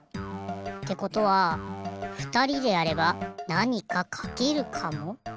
ってことはふたりでやればなにかかけるかも。